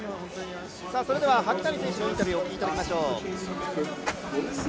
それでは萩谷選手のインタビューを聞いてみましょう。